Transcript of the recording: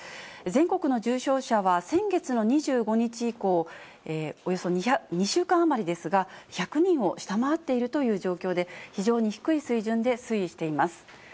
全国の重症者は先月の２５日以降、およそ２週間余りですが、１００人を下回っているという状況で、非常に低い水準で推移しています。